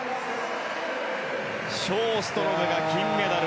ショーストロムが金メダル。